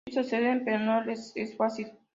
Ellos acceden pero no les es fácil.